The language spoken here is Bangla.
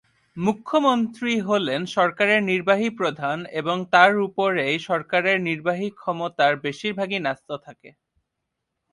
মুখ্যমন্ত্রী হলেন সরকারের নির্বাহী প্রধান এবং তার উপরেই সরকারের নির্বাহী ক্ষমতার বেশিরভাগই ন্যস্ত থাকে।